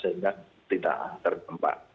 sehingga tidak tertempat